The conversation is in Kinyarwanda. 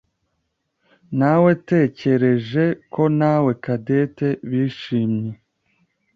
Nawetekereje ko nawe Cadette bishimye.